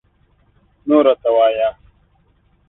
نور راته ووایه